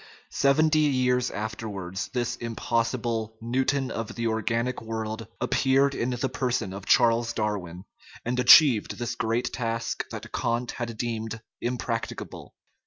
Seventy years afterwards this impossible " Newton of the organic world " appeared in the person of Charles Darwin, and achieved the great task that Kant had deemed impracticable.